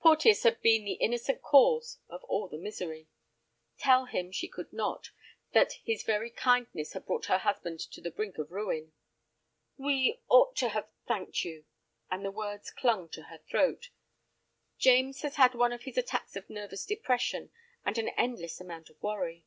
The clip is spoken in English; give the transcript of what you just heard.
Porteus had been the innocent cause of all this misery. Tell him she could not, that his very kindness had brought her husband to the brink of ruin. "We ought to have thanked you"—and the words clung to her throat. "James has had one of his attacks of nervous depression and an endless amount of worry."